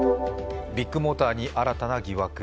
ビッグモーターに新たな疑惑。